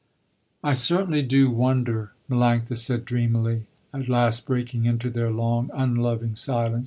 "I certainly do wonder," Melanctha said dreamily, at last breaking into their long unloving silence.